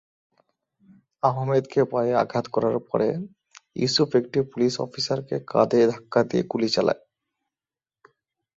আহমেদকে পায়ে আঘাত করার পরে, ইউসুফ একটি পুলিশ অফিসারকে কাঁধে ধাক্কা দিয়ে গুলি চালায়।